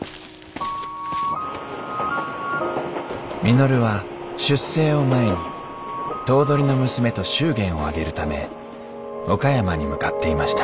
稔は出征を前に頭取の娘と祝言を挙げるため岡山に向かっていました